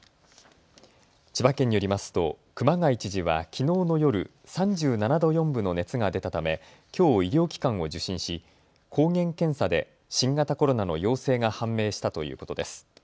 千葉県によりますと熊谷知事はきのうの夜、３７度４分の熱が出たため、きょう医療機関を受診し抗原検査で新型コロナの陽性が判明したということです。